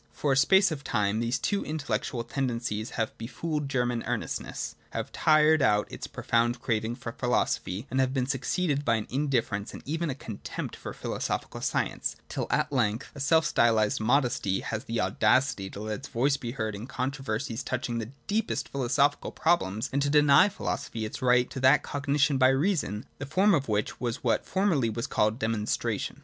For a space of time these two intellectual ten dencies have befooled German earnestness, have tired out its profound craving for philosophy, and have been succeeded by an indifference and even a contempt for philosophic science, till at length a self styled modesty has the audacity to let its voice be heard in controver sies touching the deepest philosophical problems, and to deny philosophy its right to that cognition by reason, the form of which was what formerly was called demonstration!